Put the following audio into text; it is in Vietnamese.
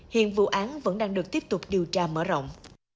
hiện vụ án vẫn đang được tiếp tục điều tra mở rộng